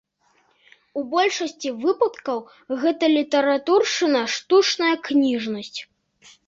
У большасці выпадкаў гэта літаратуршчына, штучная кніжнасць.